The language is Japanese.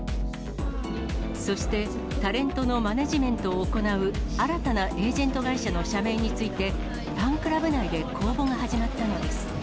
そしてタレントのマネジメントを行う新たなエージェント会社の社名について、ファンクラブ内で公募が始まったのです。